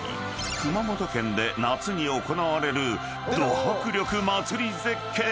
［熊本県で夏に行われるド迫力祭り絶景］